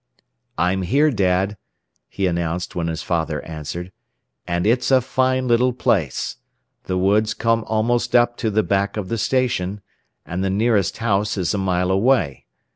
"I'm here, Dad," he announced when his father answered; "and it's a fine little place. The woods come almost up to the back of the station, and the nearest house is a mile away.